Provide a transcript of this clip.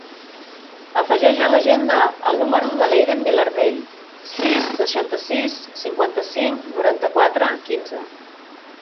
Afegeix a l'agenda el número de l'Eiden Vilardell: sis, seixanta-sis, cinquanta-cinc, noranta-quatre, quinze.